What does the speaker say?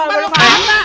ampun lu kata